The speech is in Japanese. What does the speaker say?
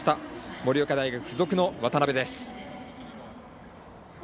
盛岡大学付属の渡邊です。